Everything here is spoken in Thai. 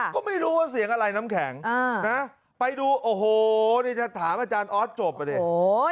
ก็ไม่รู้ว่าเสียงอะไรน้ำแข็งนะไปดูโอ้โหนี่จะถามอาจารย์ออสจบอ่ะดิ